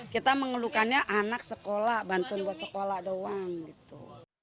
kita mengeluhkannya anak sekolah bantuan buat sekolah doang gitu